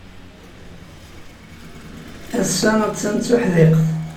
Ass-a, attan d tuḥdiqt.